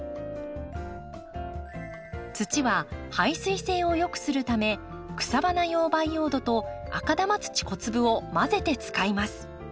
土は排水性をよくするため草花用培養土と赤玉土小粒を混ぜて使います。